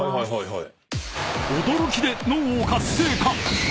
はい。